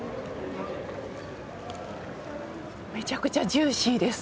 めちゃくちゃジューシーです。